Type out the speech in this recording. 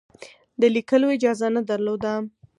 د لیکلو اجازه نه درلوده.